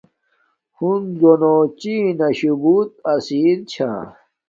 ہنزونو چین نا شُو بوت اسیر چھا